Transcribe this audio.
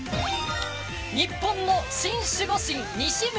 日本のシン・守護神西村